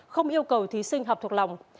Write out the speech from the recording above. không yêu cầu thí sinh học thuộc lòng